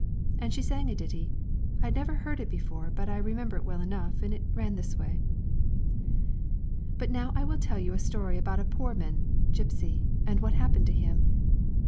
And she sang a ditty I had never heard it before, but I remember it well enough, and it ran this way: But now I will tell you a story about a Poorman [gipsy] and what happened to him.